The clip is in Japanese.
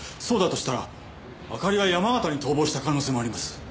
そうだとしたらあかりは山形に逃亡した可能性もあります。